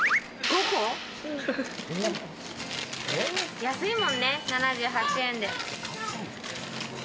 安いもんね、７８円で。